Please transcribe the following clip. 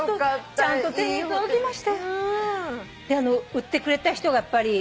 売ってくれた人やっぱり。